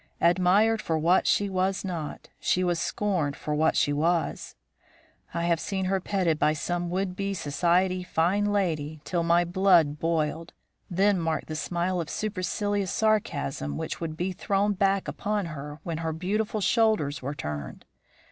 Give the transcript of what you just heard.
Admired for what she was not, she was scorned for what she was. I have seen her petted by some would be society fine lady till my blood boiled, then marked the smile of supercilious sarcasm which would be thrown back upon her when her beautiful shoulders were turned.